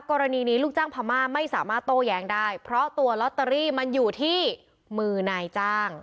กรณีนี้ลูกจ้างพม่าไม่สามารถโต้แย้งได้เพราะตัวลอตเตอรี่มันอยู่ที่มือนายจ้าง